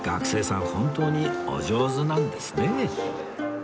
本当にお上手なんですね